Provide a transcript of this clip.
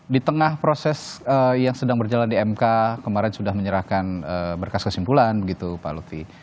di tengah proses yang sedang berjalan di mk kemarin sudah menyerahkan berkas kesimpulan begitu pak lutfi